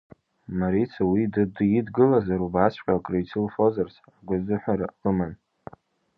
Марица уи дидгылазар, убасҵәҟьа акырицылфозарц агәазыҳәара лыман.